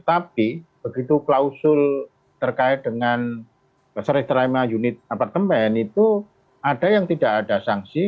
tapi begitu klausul terkait dengan seri terima unit apartemen itu ada yang tidak ada sanksi